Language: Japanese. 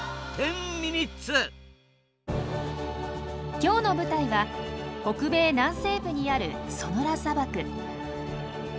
今日の舞台は北米南西部にあるソノラ砂漠。